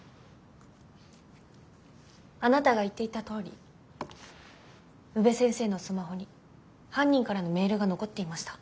あなたが言っていたとおり宇部先生のスマホに犯人からのメールが残っていました。